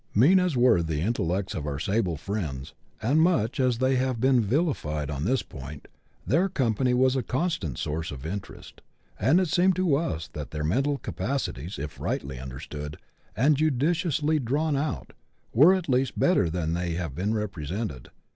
Mean as were the intellects of our sable friends, and much as they have been vilified on this point, their company was a constant source of interest, and it seemed to us that their mental capacities, if rightly understood, and judiciously drawn out, were at least better than they have been represented.